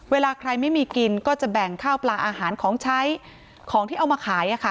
เวลาใครไม่มีกินก็จะแบ่งข้าวปลาอาหารของใช้ของที่เอามาขาย